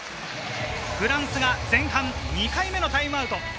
フランスが前半２回目のタイムアウト。